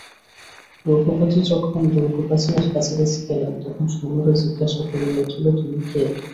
রঘুপতি যখন দুর্গপ্রাচীরের কাছাকাছি গেলেন তখন সৈন্যেরা জিজ্ঞাসা করিয়া উঠিল, তুমি কে?